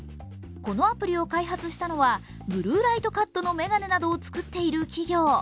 このアプリを開発したのはブルーライトカットの眼鏡などを作っている企業。